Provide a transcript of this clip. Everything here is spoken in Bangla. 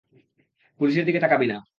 পুলিশের দিকে তাকাবি না।